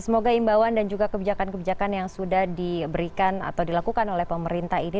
semoga imbauan dan juga kebijakan kebijakan yang sudah diberikan atau dilakukan oleh pemerintah ini